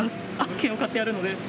券を買ってあるので。